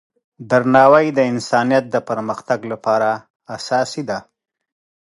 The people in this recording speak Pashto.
درناوی د انسانیت د پرمختګ لپاره اساسي دی.